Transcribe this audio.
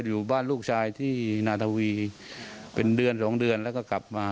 อยู่เกือบ๒เดือนและกลับมา